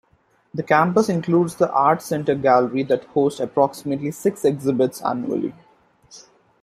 The campus includes the Art Center Gallery that hosts approximately six exhibits annually.